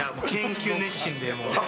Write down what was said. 研究熱心で、もう。